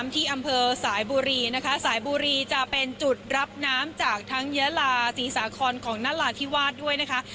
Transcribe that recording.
ที่อำเภอสายบุรีนะคะสายบุรีจะเป็นจุดรับน้ำจากทั้งยาลาศรีสาครของนราธิวาสด้วยนะคะ